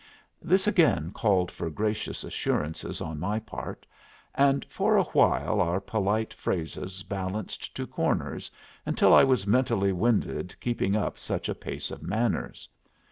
This again called for gracious assurances on my part, and for a while our polite phrases balanced to corners until I was mentally winded keeping up such a pace of manners.